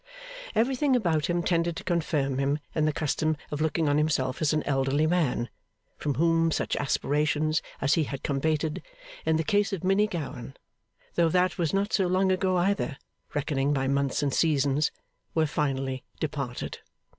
Everything about him tended to confirm him in the custom of looking on himself as an elderly man, from whom such aspirations as he had combated in the case of Minnie Gowan (though that was not so long ago either, reckoning by months and seasons), were finally departed.